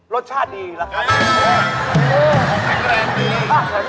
รสชาติดีราคาไข้เท่าไหร่